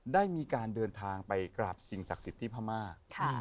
ได้มีการเดินทางไปกราบสิ่งศักดิ์สิทธิ์ที่พม่า